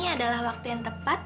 adalah waktu yang tepat